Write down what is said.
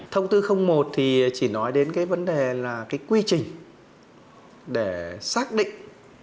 thông tư một thì chỉ nói đến cái vấn đề là cái quy trình để xác định